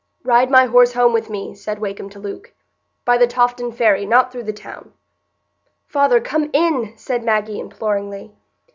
"Ride my horse home with me," said Wakem to Luke. "By the Tofton Ferry, not through the town." "Father, come in!" said Maggie, imploringly.